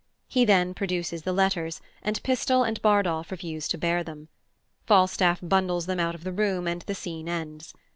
He then produces the letters, and Pistol and Bardolph refuse to bear them. Falstaff bundles them out of the room and the scene ends.